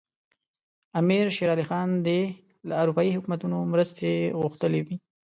امیر شېر علي خان دې له اروپایي حکومتونو مرستې غوښتلي وي.